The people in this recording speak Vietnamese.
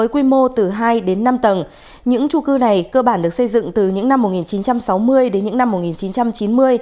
quy mô từ hai đến năm tầng những trung cư này cơ bản được xây dựng từ những năm một nghìn chín trăm sáu mươi đến những năm một nghìn chín trăm chín mươi